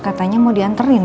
katanya mau diaterin